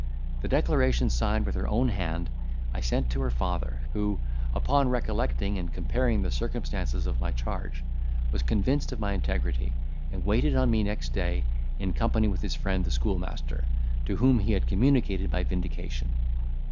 The declaration, signed with her own hand, I sent to her father, who, upon recollecting and comparing the circumstances of my charge, was convinced of my integrity, and waited on me next day, in company with his friend the schoolmaster, to whom he had communicated my vindication.